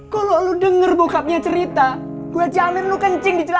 kalo lo denger bokapnya cerita gue jamir lo kencing di celana